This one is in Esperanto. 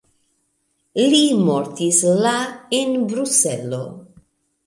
Li mortis la en Bruselo.